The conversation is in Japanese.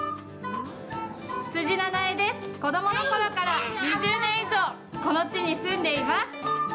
子どものころから２０年以上この地に住んでいます。